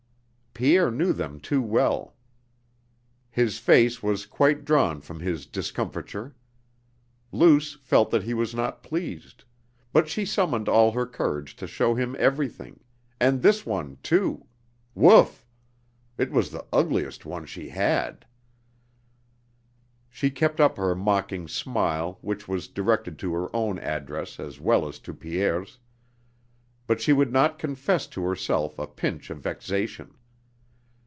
Pierre knew them too well. His face was quite drawn from his discomfiture. Luce felt that he was not pleased; but she summoned all her courage to show him everything and this one too.... Woof!... it was the ugliest one she had! She kept up her mocking smile which was directed to her own address as well as to Pierre's; but she would not confess to herself a pinch of vexation.